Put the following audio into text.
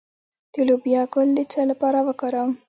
د لوبیا ګل د څه لپاره وکاروم؟